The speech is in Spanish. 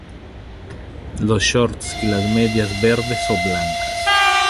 Los "shorts" y las medias verdes o blancas.